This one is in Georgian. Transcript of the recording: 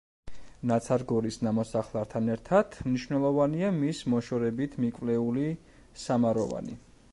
ნაცარგორის ნამოსახლართან ერთად მნიშვნელოვანია მის მოშორებით მიკვლეული სამაროვანი.